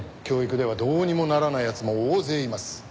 教育ではどうにもならない奴も大勢います。